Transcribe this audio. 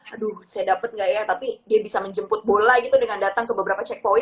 aduh saya dapat nggak ya tapi dia bisa menjemput bola gitu dengan datang ke beberapa checkpoint